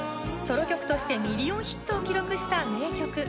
ソロ曲としてミリオンヒットを記録した名曲。